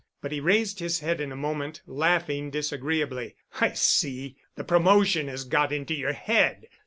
But he raised his head in a moment, laughing disagreeably. "I see. The promotion has got into your head.